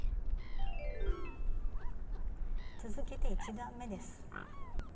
続けて１段めです。